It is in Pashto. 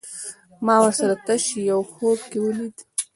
ما ورسره تش يو خوب کې وليدل